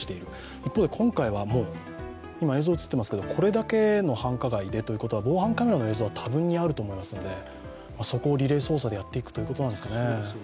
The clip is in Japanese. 一方で今回はこれだけの繁華街でということは防犯カメラの映像は多分にあると思いますのでそこをリレー捜査でやっていくということなんですかね。